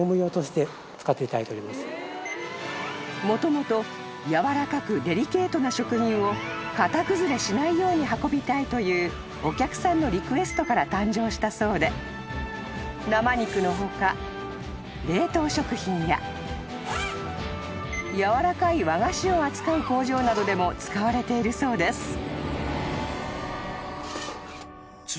［もともとやわらかくデリケートな食品を型崩れしないように運びたいというお客さんのリクエストから誕生したそうで生肉の他冷凍食品ややわらかい和菓子を扱う工場などでも使われているそうです］